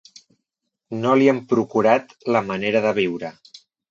No li han procurat la manera de viure.